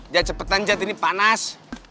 dia cepetan jat ini panas